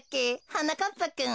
はなかっぱくん。